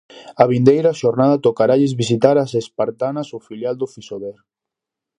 A vindeira xornada tocaralles visitar ás espartanas o filial do Fisober.